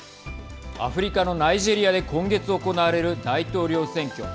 アフリカのナイジェリアで今月、行われる大統領選挙。